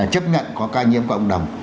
chấp nhận có ca nhiễm của cộng đồng